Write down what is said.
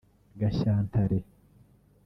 &/ Gashyantare